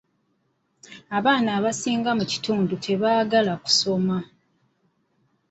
Abaana abasinga mu kitundu tebaagala kusoma.